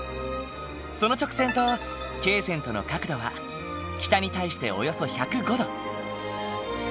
その直線と経線との角度は北に対しておよそ１０５度。